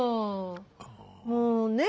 もうねえ？